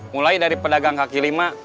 mulai dari pedagang kaki lima